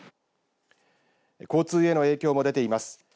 交通への影響も出ています。